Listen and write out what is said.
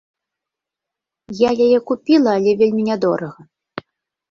Я яе купіла, але вельмі нядорага.